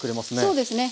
そうですね。